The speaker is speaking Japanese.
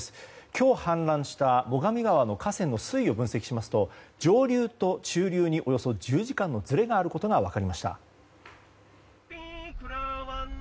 今日氾濫した最上川の河川の水位を分析しますと上流と中流に、およそ１０時間のずれがあることが分かりました。